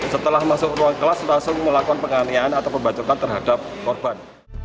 setelah masuk ruang kelas langsung melakukan penganiayaan atau pembacokan terhadap korban